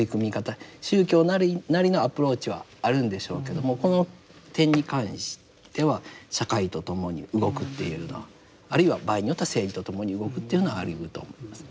宗教なりのアプローチはあるんでしょうけどもこの点に関しては社会と共に動くっていうのはあるいは場合によっては政治と共に動くっていうのはありうると思いますね。